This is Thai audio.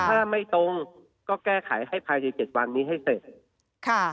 ถ้าไม่ตรงก็แก้ไขให้ภายในเจ็ดวันนี้ให้เสร็จค่ะ